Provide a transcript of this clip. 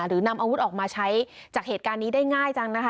หรือนำอาวุธออกมาใช้จากเหตุการณ์นี้ได้ง่ายจังนะคะ